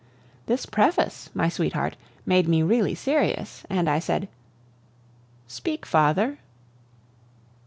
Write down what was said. This preface, my sweetheart, made me really serious, and I said: "Speak, father."